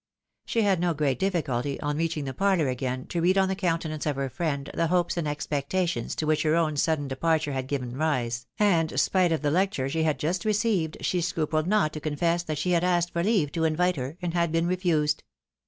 She had no great difficulty, on reaching the parlour again, to read on the countenance of her friend the hopes and expec tations to which her own sudden departure had given rise, and spite of the lecture she had just received, she scrupled not to con fess that she had asked for leave to invite her, and had been refused.